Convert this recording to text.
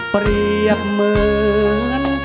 เปรียบเหมือน